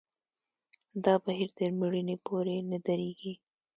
دا بهیر تر مړینې پورې نه درېږي.